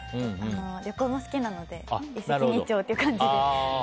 旅行も好きなので一石二鳥みたいな感じで。